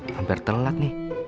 hampir telat nih